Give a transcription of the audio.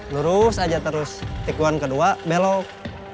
lurus aja terus tikuan kedua belok